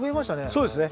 そうですね。